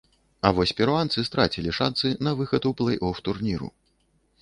А вось перуанцы страцілі шанцы на выхад у плэй-оф турніру.